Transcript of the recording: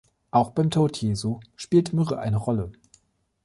Auch beim Tod Jesu spielt Myrrhe eine Rolle.